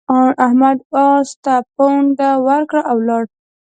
احمد اس ته پونده ورکړه او ولاړ.